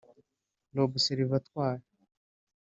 L’observatoir